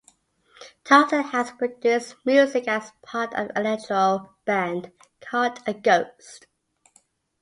Thompson has produced music as part of the electro band Caught A Ghost.